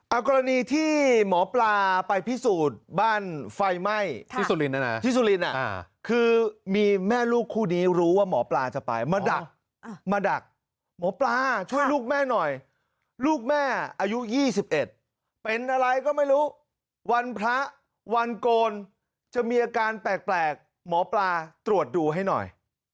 เอากรณีที่หมอปลาไปพิสูจน์บ้านไฟไหม้ที่สุรินนะนะที่สุรินคือมีแม่ลูกคู่นี้รู้ว่าหมอปลาจะไปมาดักมาดักหมอปลาช่วยลูกแม่หน่อยลูกแม่อายุ๒๑เป็นอะไรก็ไม่รู้วันพระวันโกนจะมีอาการแปลกหมอปลาตรวจดูให้หน่อย